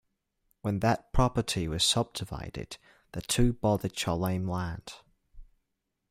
When that property was subdivided, the two bought the Cholame land.